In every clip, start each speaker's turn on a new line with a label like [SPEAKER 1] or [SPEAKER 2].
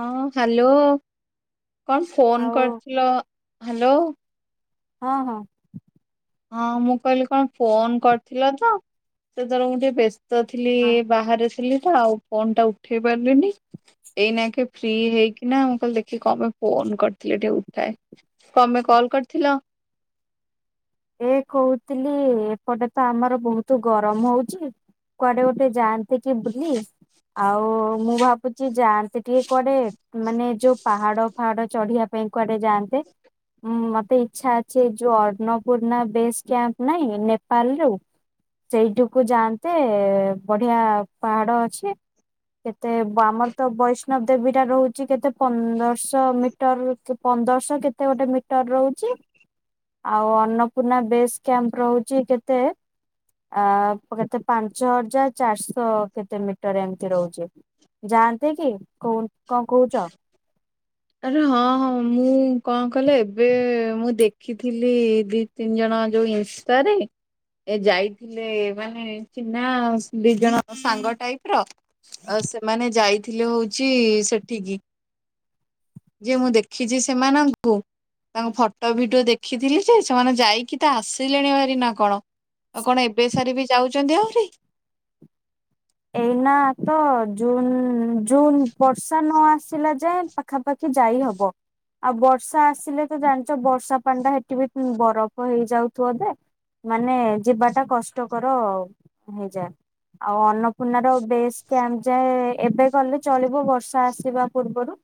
[SPEAKER 1] ହଁ ହ୍ୟାଲୋ, କଣ ଫୋନ
[SPEAKER 2] ଆଉ
[SPEAKER 1] କରିଥିଲ, ହ୍ୟାଲୋ।
[SPEAKER 2] ହଁ ହଁ।
[SPEAKER 1] ହଁ ମୁଁ କହିଲି କଣ ଫୋନ କରିଥିଲ ତ ସେ ତର ମୁ ଟିକେ ବ୍ୟସ୍ ତ ଥିଲି
[SPEAKER 2] ହଁ
[SPEAKER 1] ବାହାରେ ଥିଲି ତ ଆଉ ଫୋନ ଟା ଉଠେଇ ପାରିଲିନି। ଏଇନା କେ ଫ୍ରି ହେଇକି ନା ମୁଁ କହିଁଲି ଦେଖି କପାଇ ଫୋନ କରିଥିଲେ ଟିକେ ଉଠାଏ। କ ପାଇଁ କଲ୍ କରିଥିଲ?
[SPEAKER 2] ଏ କହୁଥିଲି ଏପଟେ ତ ଆମର ବହୁତ ଗରମ ହଉଛି କୁଆଡେ ଗୋଟେ ଯାଆ କି ବୁଲି ଆଉ ମୁଁ ଭାବୁଛି ଯାଆନ୍ତେ ଟିକେ କୁଆଡେ ମାନେ ଯୋଉ ପାହାଡ ଫାହାଡ ଚଢିବା ପାଇଁ କୁଆଡେ ଯାଆନ୍ତେ ଉଁ ମତେ ଇଚ୍ଛା ଅଛି ଯୋଉ ଅର୍ଣ ପୂର୍ଣା ବେସ୍ କ୍ୟାମ୍ ନାଇଁ ନେପାଲ୍ ରୁ ସେଇଠିକୁ ଯାଆନ୍ତେ ବଢିଆ ପାହାଡ ଅଛି। କେତେ ଆମର ତ ବୈଷ୍ଣବ ଦେବୀ ଟା ରହୁଚି କେତେ ପନ୍ଦରଶ ମି [unintelligible] ପନ୍ଦରଶ କେତେ ଗୋଟେ ମିଟର ରହୁଚି ଆଉ‌ ଅନ୍ନପୂର୍ଣ୍ଣା ବେଶ୍ କ୍ୟାମ୍ପ୍ ରହୁଚି କେତେ ଆ- କେତେ ପାଞ୍ଚ ହଜାର ଚାରିଶ୍ କେତେ ମିଟର ଏମିତି ରହୁଚି। ଯାଆନ୍ତେ କି କୋ- କଣ୍ କହୁଚ?
[SPEAKER 1] ଆରେ ହଁ -ହଁ ମୁଁ କଣ କଲେ ଏବେ ମୁଁ ଦେଖିଥିଲି ଦି ତିନି ଜଣ ଯଉ ଇନ୍ଷ୍ଟା ରେ ଏ ଯାଇଥିଲେ ମାନେ ଚିହ୍ନା ଦି ଜଣ ସାଙ୍ଗ ଟାଇପ୍ ର ଆଉ ସେମାନେ ଯାଇଥିଲେ ହଉଚି ସେଠିକି। ଯେ ମୁଁ ଦେଖିଚି ସେମାନଙ୍କୁ। ତାଙ୍କ ଫଟୋ ଭିଡିଓ ଦେଖିଥିଲି ଯେ ସେମାନେ ଯାଇକି ତ ଆସିଲେଣି ଭାରି ନା କଣ। ଆଉ କଣ ଏବେ ସାରି ବି ଯାଉଚନ୍ତି ଆହୁରି।
[SPEAKER 2] ଏଇନା ତ ଜୁନ୍- ଜୁନ୍ ବର୍ଷା ନ ଆସ୍ ଥିଲା ଯାଏ ପାଖାପାଖି ଯାଇ ହବ। ଆଉ ବର୍ଷା ଆସିଲେ ତ ଜାଣିଚ ବର୍ଷା ପାଣି ଟା ହେଠି ବି ବରଫ ହେଇଯାଉଥିବ ଦେ। ମାନେ ଯିବାଟା କଷ୍ଟକର ହେଇଯାଏ ଆଉ ଅନ ପୁନାର ବେଶ୍ କ୍ୟାମ୍ପ୍ ଯାଏ ଏବେ ଗଲେ ଚଳିବ ବର୍ଷା ଆସିବା ପୂର୍ବରୁ।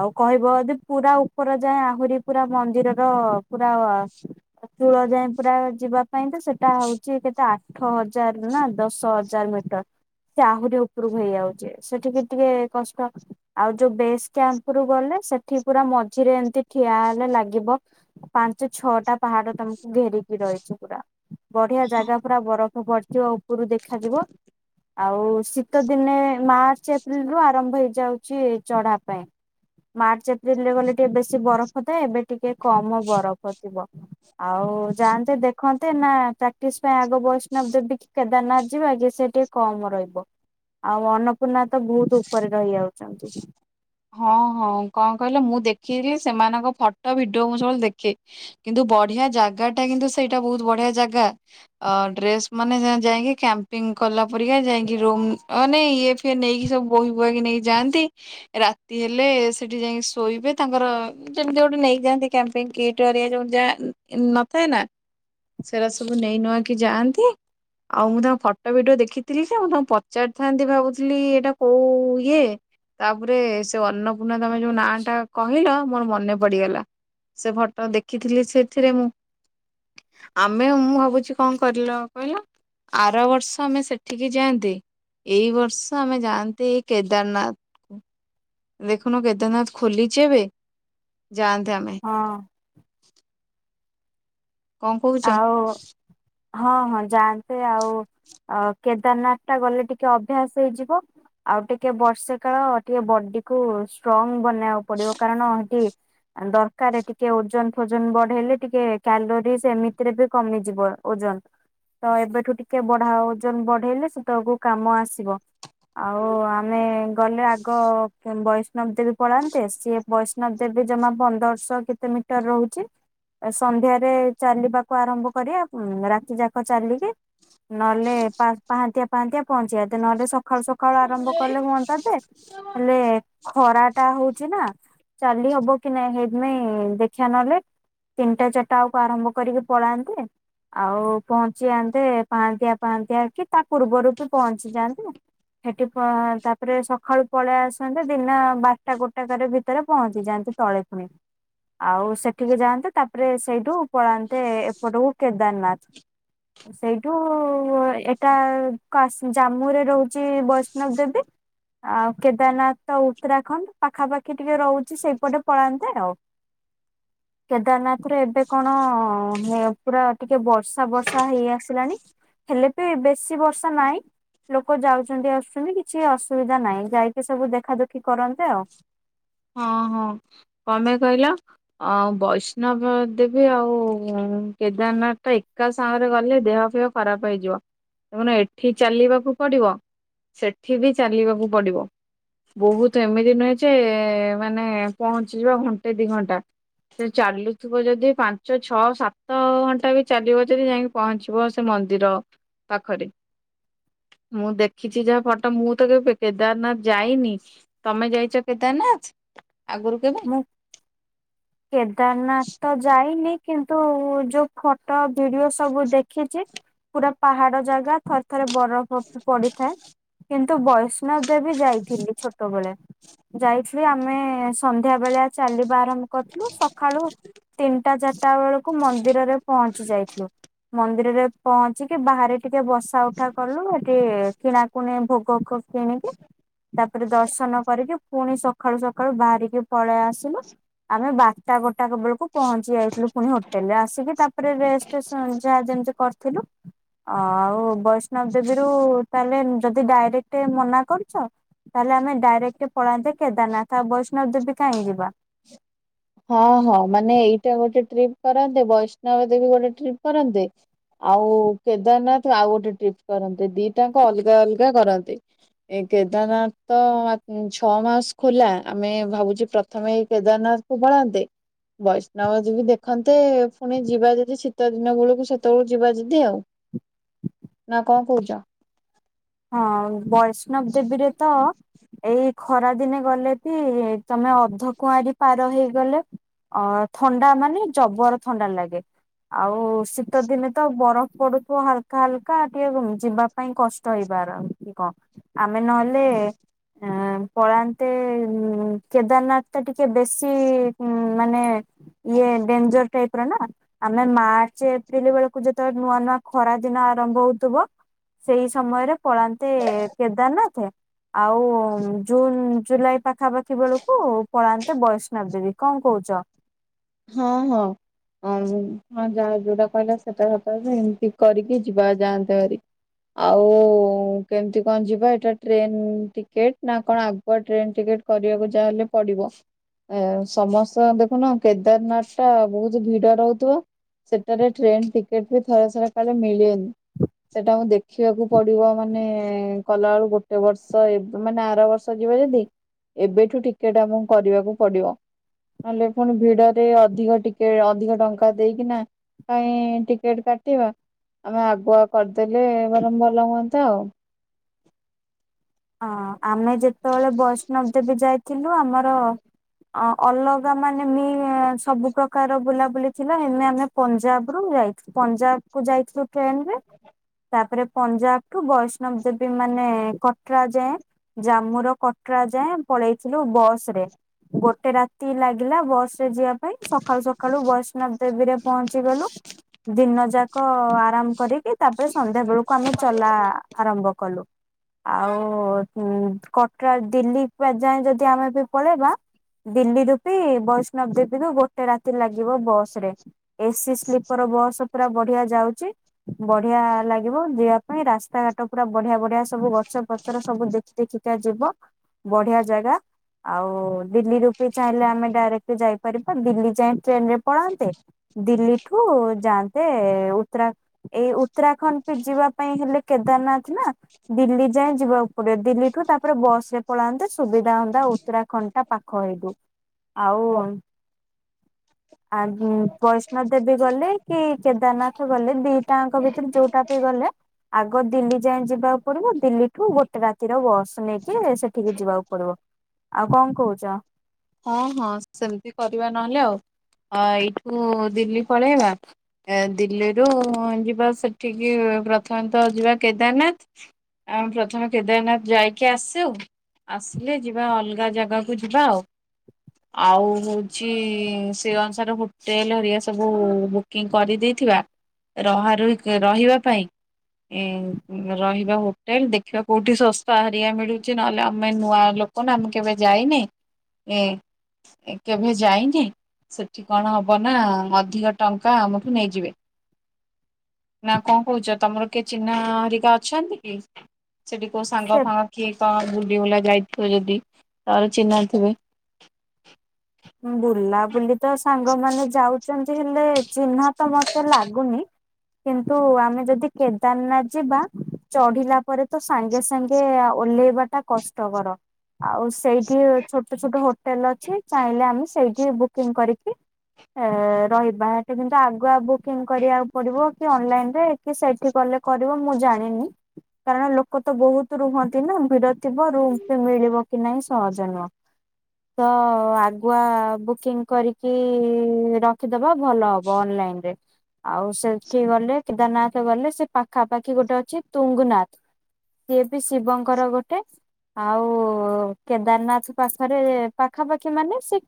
[SPEAKER 2] ଆଉ କହିବ ଯଦି ପୁରା ଉପର ଯାଏ ଆହୁରି ପୁରା ମନ୍ଦିରର ପୁରା ଚୁଳ ଯାଏ ପୁରା ଯିବା ପାଇଁ ତ ସେଟା ହଉଚି କେତେ ଆଠ ହଜାର୍ ନା ଦଶ ହଜାର୍ ମିଟର୍। ସେ ଆହୁରି ଉପରକୁ ହେଇଯାଉଚି ସେଠିକି ଟିକେ କଷ୍ଟ। ଆଉ ଯଉ ବେସ୍ କ୍ୟାମ୍ପ୍ ରୁ ଗଲେ ସେଠି ପୁରା ମଝିରେ ଏମତି ଠିଆ ହେଲେ ଲାଗିବ ପାଞ୍ଚ ଛଅଟା ପାହାଡ ତମକୁ ଘେରିକି ରହିଚି ପୁରା। ବଢିଆ ଜାଗା ପୁରା ବରଫ ପଡିଥିବ ଉପରୁ ଦେଖାଯିବ। ଆଉ ଶୀତଦିନେ ମାର୍ଚ୍ଚ ଏପ୍ରିଲ ରୁ ଆରମ୍ଭ ହେଇଯାଉଚି ଚଢା ପାଇଁ। ମାର୍ଚ୍ଚ ଏପ୍ରିଲରେ ଗଲେ ଟିକେ ବେଶୀ ବରଫ ଥାଏ ଏବେ ଟିକେ କମ ବରଫ ଥିବ। ଆଉ ଯାଆନ୍ତେ ଦେଖନ୍ତେ ନା ପ୍ରାକ୍ଟିସ ପାଇଁ ଆଗ ବୈଷ୍ଣବ ଦେବୀ କି କେଦାରନାଥ୍ ଯିବା କି ସେଠି କମ ରହିବ ଆଉ ଅନ୍ନପୂର୍ଣ୍ଣା ତ ବହୁତୁ ଉପରେ ରହିଯାଉଚନ୍ତି।
[SPEAKER 1] ହଁ- ହଁ କଣ କହିଲ ମୁଁ ଦେଖିଲି ସେମାନଙ୍କ ଫଟୋ ଭିଡିଓ ମୁଁ ସବୁବେଳେ ଦେଖେ। କିନ୍ତୁ ବଢିଆ ଜାଗାଟା କିନ୍ତୁ ସେଇଟା ବହୁତ୍ ବଢିଆ ଜାଗା। ଅ -ଡ୍ରେସ୍ ମାନେ ଯାଇଁକି କ୍ୟାମ୍ପିଙ୍ଗ୍ କଲା ପରିକା ଯାଇକି ରୁମ୍ ମାନେ ଇଏ ସିଏ ନେଇକି ସବୁ ବୋହି ବୁହାକି ନେଇକି ଯାଆନ୍ତି ରାତି ହେଲେ ସେଠି ଯାଇଁକି ଶୋଇବେ ତାଙ୍କର ଯେମିତି ଗୋଟେ ନେଇଯାଆନ୍ତି କ୍ୟାମ୍ପିଙ୍ଗ୍ କିଟ୍ ହେରିକା ଯଉ ଯା -ନଥାଏ ନା। ସେରା ସବୁ ନେଇନୁଆ କିି ଯାଆନ୍ତି। ଆଉ ମୁଁ ତାଙ୍କ ଫଟୋ ଭିଡିଓ ଦେଖିଥିଲି ଯେ ଆଉ ମୁଁ ତମକୁ ପଚାରିଥାନ୍ତି ଭାବୁଥିଲି ଏଇଟା କଉ ଇଏ। ପରେ ସେ ଅନ୍ନପୂର୍ଣ୍ଣା ତମେ ଯଉ ନାଁ ଟା କହିଲ ମୋର ମନେ ପଡିଗଲା। ସେ ଫଟୋ ଦେଖିଥିଲି ସେଥିରେ ମୁଁ। ଆମେ ମୁଁ ଭାବୁଚି କଣ କରିଲ କହିଲ ଆର ବର୍ଷ ଆମେ ସେଠିକି ଯାଆନ୍ତେ ଏଇ ବର୍ଷ ଆମେ ଯାଆନ୍ତେ ଏଇ କେଦାରନାଥ୍। ଦେଖୁନ କେଦାରନାଥ୍ ଖୋଲିଚି ଏବେ ଯାଆନ୍ତେ ଆମେ।
[SPEAKER 2] ହଁ।
[SPEAKER 1] କଣ କହୁଛ?
[SPEAKER 2] ଆଉ ହଁ- ହଁ ଯାଆନ୍ତେ ଆଉ ଆଉ କେଦାରନାଥଟା ଗଲେ ଟିକେ ଅଭ୍ୟାସ ହେଇଯିବ ଆଉ ଟିକେ ବର୍ଷେ କାଳ ଟିକେ ବଡିକୁ ଷ୍ଟ୍ରଙ୍ଗ ବନେ [unintelligible] ପଡିବ କାରଣ ଏଠି ଦ କରେ ଟିକେ ଓଜନ ଫୋଜନ ବଢେଇଲେ ଟିକେ କ୍ୟାଲୋରି ସେ ଏମିତିରେ ବି କମିଯିବ ଓଜନ ତ ଏବେଠୁ ଟିକେ ବଢାଅ ଓଜନ ବଢେଇଲେ ସେତବେଳକୁ କାମ ଆସିବ ଆଉ ଆମେ ଗଲେ ଆଗ ବୈଷ୍ଣବ ଦେବୀ ପଳାନ୍ତେ ସିଏ ବୈଷ୍ଣବ ଦେବୀ ଜମା ପନ୍ଦରଶହ କେତେ ମିଟର ରହୁଛି ସନ୍ଧ୍ୟାରେ ଚାଲିବା କୁ ଆରମ୍ଭ କରିବା ଉଁ ରାତି ଯାକ ଚାଲିକି ନହେଲେ ପାହା ପାହାନ୍ତିଆ ପାହାନ୍ତିଆ ପହଞ୍ଚିବା ତ ନହେଲେ ସ ସଖାଳୁ ସକାଳୁ ଆରମ୍ଭ କଲେ ହୁଅନ୍ତା ଯେ ହେଲେ ଖରା ଟା ହଉଛି ନା ଚାଲି ହବକି ନାଇ ହେଇଥିନାଇଁ ଦେଖିବା ନହେଲେ ତିନିଟା ଚାରିଟା ଆଉକୁ ଆରମ୍ଭ କରିକି ପଳାନ୍ତେ ଆଉ ପହଞ୍ଚି ଯାନ୍ତେ ପାହାନ୍ତିଆ ପାହାନ୍ତିଆ କି ତା ପୂର୍ବରୁ ବି ପହଞ୍ଚି ଯାଆନ୍ତେ ସେଠି ପ - ତାପରେ ସକାଳୁ ପଳେଇ ଆସନ୍ତେ ଦିନ ବାରଟା ଗୋଟା କରି ଭିତରେ ପହଞ୍ଚି ଯାଆନ୍ତେ ତଳେ ପୁଣି ଆଉ ସେଠିକି ଯାଆନ୍ତେ ତାପରେ ସେଇଠୁ ପଳା ତେ ଏପଟ କୁ କେଦାରନାଥ
[SPEAKER 1] [inaudible]
[SPEAKER 2] ସେଇଠୁ ଏଇଟା କାସ ଜାମ୍ମୁରେ ରହୁଛି ବୈଷ୍ଣବ ଦେବୀ ଆଉ କେଦାରନାଥ ଉତ୍ତରାଖଣ୍ଡ ପାଖାପାଖି ଟିକେ ରହୁଛି ସେଇପଟେ ପଳାନ୍ତେ ଆଉ
[SPEAKER 1] [inaudible]
[SPEAKER 2] କେଦାରନାଥରେ ଏବେ କଣ ଅ ପୁରା ଟିକେ ବର୍ଷା ବର୍ଷା ହେଇ ଆସିଲାଣି ହେଲେ ବି ବେଶୀ ବର୍ଷା ନାହିଁ ଲୋକ ଯାଉଛନ୍ତି ଆସୁଛନ୍ତି କିଛି ଅସୁବିଧା ନାହିଁ ଯାଇକି ସବୁ ଦେଖାଦୁଖି କରନ୍ତେ ଆଉ
[SPEAKER 1] ହଁ ହଁ କଣ ପାଇଁ କହିଲ ଆଉ ବୈଷ୍ଣବ ଦେବୀ ଆଉ କେଦାରନାଥ ଟା ଏକା ସାଙ୍ଗରେ ଗଲେ ଦେହପେହ ଖରାପ ହେଇଯିବ ପୁଣି ଏଠି ଚାଲିବାକୁ ପଡିବ ସେଠି ବି ଚାଲିବାକୁ ପଡିବ ବହୁତ ଏମିତି ନୁହେଁ ଯେ ଏ ମାନେ ପହଞ୍ଚିଯିବା ଘଣ୍ଟେ ଦି ଘଣ୍ଟା ସେ ଚାଲୁଥିବ ଯଦି ପାଞ୍ଚ ଛଅ ସାତ ଘଣ୍ଟା ବି ଚାଲିବ ଯଦି ଯାଇକି ପହଞ୍ଚିବ ସେ ମନ୍ଦିର ପାଖରେ ମୁଁ ଦେଖିଛି ଯାହା ଫଟୋ ମୁଁ ତ କେବେ କେଦାରନାଥ ଯାଇନି ତମେ ଯାଇଛ କେଦାରନାଥ ଆଗରୁ କେବେ?
[SPEAKER 2] ମୁଁ କେଦାରନାଥ ତ ଯାଇନି କିନ୍ତୁ ଯୋଉ ଖଟୋ ଭିଡିଓ ସବୁ ଦେଖିଛି ପୁରା ପାହାଡ ଜାଗା ଥରେ ଥରେ ବରଫ ପଡିଥାଏ କିନ୍ତୁ ବୈଷ୍ଣବଦେବୀ ଯାଇଥିଲି ଛୋଟବେଳେ ଯାଇଥିଲି ଆମେ ସନ୍ଧ୍ୟା ବେଳିଆ ଚାଲିବା ଆରମ୍ଭ କରିଥିଲୁ ସକାଳୁ ତିନିଟା ଚାରିଟା ବେଳକୁ ମନ୍ଦିରରେ ପହଞ୍ଚି ଯାଇଥିଲୁ ମନ୍ଦିରରେ ପହଞ୍ଚିକି ବାହାରେ ଟିକେ ବସାଉଠା କଲୁ ଏଠି କିଣାକୁଣି ଭୋଗ ଭୋଗ କିଣିକି ତାପରେ ଦର୍ଶନ କରିକି ପୁଣି ସକାଳୁ ସକାଳୁ ବାହାରିକି କି ପଳେଇ ଆସିଲୁ ଆମେ ବାରଟା ଗୋଟାକବେଳକୁ ପହଞ୍ଚି ଯାଇଥିଲୁ ପୁଣି ହୋଟେଲରେ ଆସିକି ତାପରେ ରେଷ୍ଟ ଉ ଯାହା ଯେମିତି କରିଥିଲୁ ଆଉ ବୈଷ୍ଣବଦେବୀରୁୁ ତାହେଲେ ଯଦି ଡାଇରେକ୍ଟ ମନା କରୁଛ ତାହେଲେ ଆମେ ଡାଇରେକ୍ଟ ପଳାନ୍ତେ କେଦାରନାଥ ଆଉ ବୈଷ୍ଣବଦେବୀ କାହିଁ ଯିବା
[SPEAKER 1] ହଁ ହଁ ମାନେ ଏଇଟା ଗୋଟେ ଟ୍ରିପ କରନ୍ତେ ବୈଷ୍ଣବ ଦେବୀ ଗୋଟେ ଟ୍ରିପ କରନ୍ତେ। ଆଉ କେଦାରନାଥ ଆଉ ଗୋଟେ ଟ୍ରିପ୍ କରନ୍ତେ ଦିଟାଙ୍କ ଅଲଗା ଅଲଗା କରନ୍ତେ। ଏ କେଦାରନାଥ ତ ମା ଛଅ ମାସ ଖୋଲା ଆମେ ଭାବୁଛେ ପ୍ରଥମେ ଏଇ କେଦାରନାଥ କୁ ପଳାନ୍ତେ। ବୈଷ୍ଣବ ଦେବୀ ଦେଖନ୍ତେ ପୁଣି ଯିବା ଯଦି ଶୀତ ଦିନ ବେଳକୁ ସେତେବେଳକୁ ଯିବା ଯଦି ଆଉ। ନା କଣ କୋଉଚ।
[SPEAKER 2] ହଁ ବୈଷ୍ଣବ ଦେବୀରେ ତ ଏଇ ଖରାଦିନେ ଗଲେ ଟି ତମେ ଅଧ କୁଆଁରୀ ପାର ହେଇଗଲେ ଅ ଥଣ୍ଡା ମାନେ ଜବର ଥଣ୍ଡା ଲାଗେ। ଆଉ ଶୀତ ଦିନେ ତ ବରଫ ପଡୁଥିବ ହାଲକା ହାଲକା ଟିକେ କୁ ଯିବା ପାଇଁ କଷ୍ ସହିପାରନ୍ତି କ ଆମେ ନହେଲେ ଆଁ ପଳାନ୍ତେ ଉଁ କେଦାରନାଥ ଟା ଟିକେ ବେଶୀ ଉଁ ମାନେ ଇଏ ଡେଞ୍ଜର ଟାଇପର ନା। ଆମେ ମାର୍ଚ୍ଚ ଏପ୍ରିଲ ବେଳକୁ ଯେତେବେଳେ ନୂଆ ନୂଆ ଖରା ଦିନ ଆରମ୍ଭ ହୋଉଥିବ ସେଇ ସମୟରେ ପଳାନ୍ତେ କେଦାରନାଥେ। ଆଉ ଜୁନ ଜୁଲାଇ ପାଖାପାଖି ବେଳକୁ ପଳାନ୍ତେ ବୈଷ୍ଣବ ଦେବୀ କଣ କହୁଚ।
[SPEAKER 1] ହଁ ହଁ। ଅ ହୁଁ ହଁ ଯାହା ଯୋଉଟା କହିଲା ସେଟା ସତକଥା ଏମିତି କରିକି ଯିବା ଯାଆନ୍ତେ ଭାରି। ଆଉ କେମିତି କଣ ଯିବା ଏଟା ଟ୍ରେନ ଟିକେଟ ନା କଣ ଆ ଗୁଆ ଟ୍ରେନ୍ ଟିକେଟ କରିବାକୁ ଯା ହେଲେ ପଡିବ ଏ ସମସ୍ତ ଦେଖୁନ କେଦାରନାଥ ଟା ବୋହୁତ ଭିଡ ରହୁଥିବ। ସେଟାରେ ଟ୍ରେନ ଟିକେଟ ବି ଥରେ ଥରେ କାଳେ ମିଳିବନି। ସେଟାକୁ ଦେଖିବାକୁ ପଡିବ ମାନେ କଲାବେଳୁ ଗୋଟେ ବର୍ଷ ଏ ମାନେ ଆର ବର୍ଷ ସରିଯିବ ଯଦି ଏବେଠୁ ଟିକେଟ ଆମକୁ କରିବାକୁ ପଡିବ ନଲେ ପୁଣି ଭିଡରେ ଅଧିକ ଟିକେ ଅଧିକ ଟଙ୍କା ଦେଇକି ନା କାଇଁ ଟିକେଟ କାଟିବା ଆମେ ଆଗୁଆ କରିଦେଲେ ବରଂ ଭଲ ହୁଅନ୍ତା ଆଉ।
[SPEAKER 2] ହଁ ଆମେ ଯେତେବେଳେ ବୈଷ୍ଣବ ଦେବୀ ଯାଇଥିଲୁ ଆମର ଅ ଅଲଗା ମାନେ ମୀ ସବୁ ପ୍ରକାର ବୁଲାବୁଲି ଥିଲା ହେନେ ଆମେ ପଞ୍ଜାବ ରୁ ଯାଇଥି ପଞ୍ଜାବ କୁ ଯାଇଥିଲୁ ଟ୍ରେନ ରେ। ତାପରେ ପଞ୍ଜାବ ଠୁ ବୈଷ୍ଣବ ଦେବୀ ମାନେ କ କଟ୍ରା ଯାଏଁ ଜାମ୍ମୁ ର କଟରା ଯାଏଁ ପଳେଇଥିଲୁ ବସ ରେ। ଗୋଟେ ରାତି ଲାଗିଲା ବସ ରେ ଯିବା ପାଇଁ ସକାଳୁ ସକାଳୁ ବୈଷ୍ଣବ ଦେବୀରେ ପହଞ୍ଚି ଗଲୁ। ଦିନ ଯାକ ଆରାମ କରିକି ତାପରେ ସନ୍ଧ୍ୟା ବେଳକୁ ଆମେ ଚଲା ଆରମ୍ଭ କଲୁ। ଆଉ ଉଁ କଟରା ଦିଲ୍ଲୀ ପା ଯାଏ ଯଦି ଆମେ ବି ପଳେଇବା ଦିଲ୍ଲୀ ରୁ ବି ବୈଷ୍ଣବ ଦେବୀ ରୁ ଗୋଟେ ରାତି ଲାଗିବ ବସ ରେ। ଏ ସିି ସ୍ଲିପର ବସ୍ ପୁରା ବଢିଆ ଯାଉଛି ବଢିଆ ଲାଗିବ ଯିବା ପାଇଁ ରାସ୍ତାଘାଟ ପୁରା ବଢିଆ ବଢିଆ ସବୁ ଗ ଗଛ ପତ୍ର ସବୁ ଦେଖି ଦେଖିକା ଯିବ ବଢିଆ ଜାଗା। ଆଉ ଦିଲ୍ଲୀ ରୂ ପୀ ଚାହିଁଲେ ଆମେ ଡାଇରେକ୍ଟ ଯାଇପାରିବା ଦିଲ୍ଲୀ ଯାଏ ଟ୍ରେନ ରେ ପଳାନ୍ତେ। ଦିଲ୍ଲୀଠୁ ଯାଆନ୍ତେ ଉତ୍ତରା ଏଇ ଉତ୍ତରାଖଣ୍ଡ ବି ଯିବା ପାଇଁ ହେଲେ କେଦାରନାଥ ନା ଦିଲ୍ଲୀ ଯାଏଁ ଯିବା କୁ ପଡିବ ଦିଲ୍ଲୀ ଠୁ ତାପରେ ବସ ରେ ପଳାନ୍ତେ ସୁବିଧା ହୁଅନ୍ତା ଆଉ ଉତ୍ତରାଖଣ୍ଡ ଟା ପାଖ ହେଇଠୁ। ଆଉ ଅ ଆ ଗୁଁ ବୈଷ୍ଣ ଦେବୀ ଗଲେ କି କେଦାରନାଥ ଗଲେ ଦିଟାଙ୍କ ଭିତୂରୁ ଯୋଉଟା ବି ଗଲେ ଆଗ ଦିଲ୍ଲୀ ଯାଁଏ ଯିବାକୁ ପଡିବ ଦିଲ୍ଲୀ ଠୁ ଗୋଟେ ରାତିର ବସ ନେଇକି ସେଠିକି ଯିବାକୁ ପଡିବ। ଆଉ କଣ କହୁଚ?
[SPEAKER 1] ହଁ ହଁ ସେମିତି କରିବା ନହେଲେ ଆଉ। ଅ ଏଇଠୁ ଦିଲ୍ଲୀ ପଳେଇବା। ଏ ଦିଲ୍ଲୀରୁ ଯିବା ସେଠିକି, ପ୍ରଥମତଃ ଯିବା କେଦାରନାଥ। ଆମେ ପ୍ରଥମେ କେଦାରନାଥ ଯାଇକି ଆସୁ ଆସିଲେ ଯିବା ଅଲଗା ଜାଗାକୁ ଯିବା ଆଉ। ଆଉ ହଉଚି ସେ ଅନୁସାରେ ହୋଟେଲ ହରିକା ସବୁ ବୁକିଂ କରିଦେଇଥିବା। ରହା ରୁହି କ ରହିବା ପାଇଁ। ଏ ରହିବା ହୋଟେଲ ଦେଖିବା କୋଉଠି ଶସ୍ତା ହରିିକା ମିଳୁଚି ନହେଲେ ଆମେ ନୂଆ ଲୋ କ ନା ଆମେ କେବେ ଯାଇନେ। ଏ କେଭେ ଯାଇନେ। ସେଠି କଣ ହବ ନା ଅଧିକ ଟଙ୍କା ଆମଠୁ ନେଇଯିବେ। ନା କଣ କହୁଚ ତମର କିଏ ଚିହ୍ନା ହରିକା ଅଛନ୍ତି କି? ସେଠି କୋଉ ସାଙ୍ଗ
[SPEAKER 2] ସେ
[SPEAKER 1] ଫାଙ୍ଗ କି କଣ ବୁଲି ବୁଲା ଯାଇଥିବ ଯଦି ତାହେଲେ ଚିହ୍ନା ଥିବେ।
[SPEAKER 2] ବୁଲା ବୁଲି ତ ସାଙ୍ଗମାନେ ଯାଉଚନ୍ତି ହେଲେ ଚିହ୍ନା ତ ମତେ ଲାଗୁନି କିନ୍ତୁ ଆମେ ଯଦି କେଦାରନାଥ ଯିବା ଚଢିଲା ପରେ ତ ସାଙ୍ଗେ ସାଙ୍ଗେ ଓହ୍ଲେଇବା ଟା କଷ୍ଟକର। ଆଉ ସେଇଠି ଛୋଟ ଛୋଟ ହୋଟେଲ ଅଛି ଚାହିଁଲେ ଆମେ ସେଇଠି ବୁକିଂ କରିକି ଏ ରହିବା ଏଠି କିନ୍ତୁ ଆଗୁଆ ବୁକିଂ କରିବାକୁ ପଡିବ କି ଅନଲାଇନ ରେ କି ସେଇଠି କଲେ କରିବ ମୁଁ ଜାଣିନି। କାରଣ ଲୋକ ତ ବହୁତ ରୁହନ୍ତି ନା ଭିଡ ଥିବ ରୁମ ବି ମିଳିବ କି ନାହିଁ ସହଜ ନୁହଁ। ତ ଆ ଆଗୁଆ ବୁକିଂ କରିକି ରଖିଦବା ଭଲ ହବ ଅନଲାଇନ ରେ। ଆଉ ସେଠି ଗଲେ କେଦାରନାଥ ଗଲେ, ସେ ପାଖାପାଖି ଗୋଟେ ଅଛି ତୁଙ୍ଗୁନାଥ। ସିଏ ବି ଶିବଙ୍କର ଗୋଟେ ଆଉ କେଦାରନାଥ ପାଖରେ ପାଖାପାଖି ମାନେ ସେ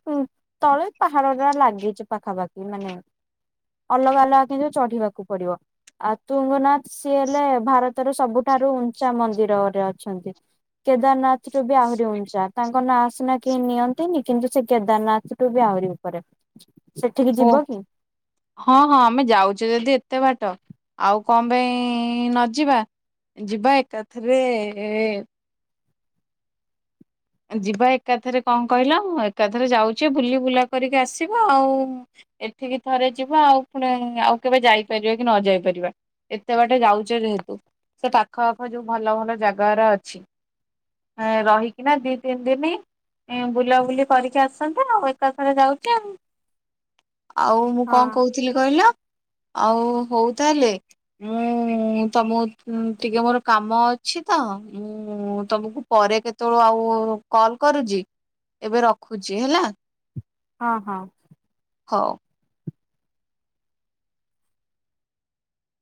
[SPEAKER 2] ତଳେ ପାହାଡ ଟା ଲାଗିଚି ପାଖାପାଖି ମାନେ ଅଲଗା ଅଲଗା କିନ୍ତୁ ଚଢିବାକୁ ପଡିବ। ଆଉ ତୁଙ୍ଗନାଥ ସିଏ ହେଲେ ଭାରତର ସବୁଠାରୁ ଉଞ୍ଚା ମନ୍ଦିରରେ ଅଛନ୍ତି। କେଦାରନାଥ ରୁ ବି ଆହୁରି ଉଞ୍ଚା। ତାଙ୍କ ନାଁ ସିନା କେହି ନିଅନ୍ତିନି କିନ୍ତୁ ସେ କେଦାରନାଥ ଟୁ ବି ଆହୁରି ଉପରେ, ସେଠିକି
[SPEAKER 1] ଓ
[SPEAKER 2] ଯିବ କି?
[SPEAKER 1] ହଁ ହଁ ଆମେ ଯାଉଚେ ଯଦି ଏତେ ବାଟ ଆଉ କଣ ପାଇଁ ନ ଯିବା। ଯିବା ଏକାଥରେ ଯିବା ଏକାଥରେ କଣ କହିଲ ଏକାଥରେ ଯାଉଚି ବୁଲି ବୁଲା କରିକି ଆସିବା ଆଉ। ଏଠିକି ଥରେ ଯିବା ଆଉ ପୁଣି ଆଉ କେବେ ଯାଇପାରିବା କି ନ ଯାଇପାରିବା। ଏତେ ବାଟେ ଯାଉଚେ ଯେହେତୁ ସେ ପାଖ ଆଖ ଯୋଉ ଭଲ ଭଲ ଜାଗାରା ଅଛି ହଁ ରହି କି ନା ଦି ତିନି ଦିନ ବୁଲାବୁଲି କରିକି ଆସନ୍ତେ ଆଉ ଏକାଥରେ ଯାଉଚେ ଆଉ। ଆଉ ମୁଁ
[SPEAKER 2] ହଁ
[SPEAKER 1] କଣ କହୁଥିଲି କହିଲ ଆଉ ହଉ ତାହେଲେ ମୁଁ ତମକୁ ଟିକେ ମୋର କାମ ଅଛି ତ ମୁଁ ତମକୁ ପରେ କେତେ ତେଳୁ ଆଉ କଲ କରୁଜି ଏବେ ରଖୁଚି ହେଲା।
[SPEAKER 2] ହଁ ହଁ।
[SPEAKER 1] ହଉ।